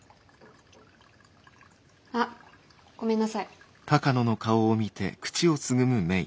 あっごめんなさい。